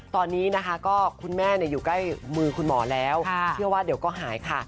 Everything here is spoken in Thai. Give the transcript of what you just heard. ตอนนี้นะคะก็คุณแม่อยู่ใกล้มือคุณหมอแล้วเชื่อว่าเดี๋ยวก็หายค่ะ